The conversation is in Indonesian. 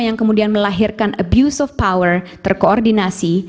yang kemudian melahirkan abuse of power terkoordinasi